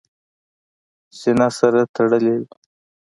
زینه سره تړلې وي .